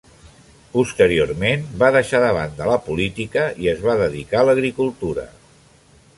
Posteriorment, va deixar de banda la política i es va dedicar a l'agricultura.